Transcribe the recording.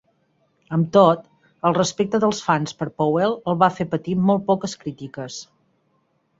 Amb tot, el respecte dels fans per Powell el va fer patir molt poques crítiques.